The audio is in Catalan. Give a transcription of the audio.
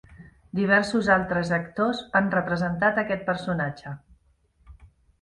Diversos altres actors han representat aquest personatge.